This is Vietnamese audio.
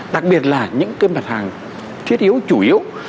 đặc biệt là những cái mặt hàng thiết yếu chủ yếu